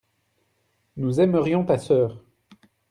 nous aimerions ta sœur.